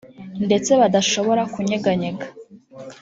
ndetse badashobora kunyeganyega